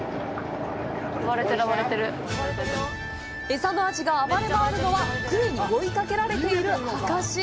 餌のアジが暴れ回るのはクエに追いかけられている証し。